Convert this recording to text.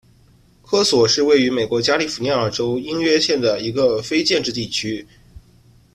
科索是位于美国加利福尼亚州因约县的一个非建制地区。